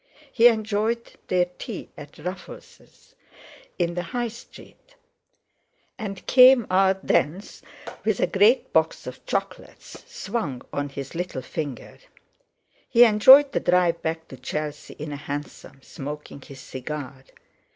He enjoyed their tea at Ruffel's in the High Street, and came out thence with a great box of chocolates swung on his little finger. He enjoyed the drive back to Chelsea in a hansom, smoking his cigar.